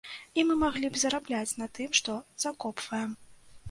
І мы маглі б зарабляць на тым, што закопваем.